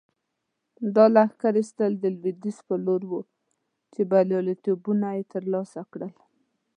دا لښکر ایستل د لویدیځ په لور وو چې بریالیتوبونه یې ترلاسه کړل.